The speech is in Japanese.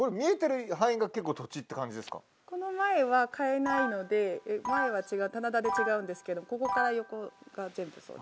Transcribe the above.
この前は買えないので前は棚田で違うんですけどここから横が全部そうです。